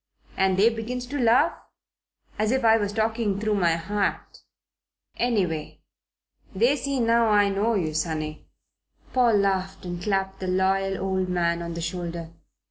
And they begins to laugh, as if I was talking through my hat. Anyway, they see now I know you, sonny." Paul laughed and clapped the loyal old man on the shoulder.